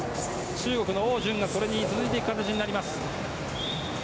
中国のオウ・ジュンがそれに続いていく形になります。